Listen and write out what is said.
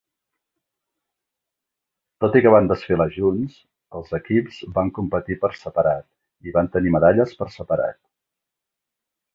Tot i que van desfilar junts, els equips van competir per separat i van tenir medalles per separat.